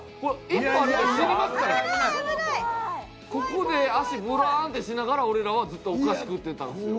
ここで足ブラーンってしながら俺らはずっとお菓子食ってたんですよ。